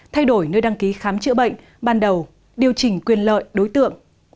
thay đổi nơi đăng ký khám chữa bệnh ban đầu điều chỉnh quyền lợi đối tượng